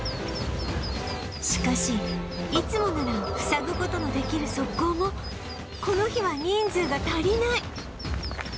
しかしいつもなら塞ぐ事のできる側溝もこの日は人数が足りない